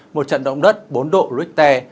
một trận động đất bốn độ richter